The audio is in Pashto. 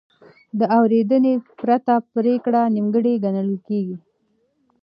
د اورېدنې پرته پرېکړه نیمګړې ګڼل کېږي.